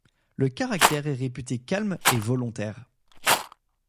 Le caractère est réputé calme et volontaire.